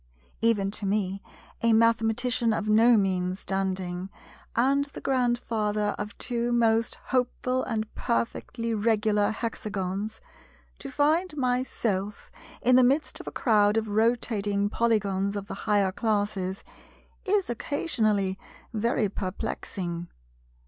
Even to me, a Mathematician of no mean standing, and the Grandfather of two most hopeful and perfectly regular Hexagons, to find myself in the midst of a crowd of rotating Polygons of the higher classes, is occasionally very perplexing.